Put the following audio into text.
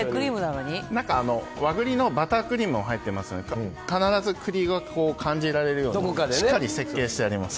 中に和栗のバタークリームが入ってますので必ず栗が感じられるようにしっかり設計してあります。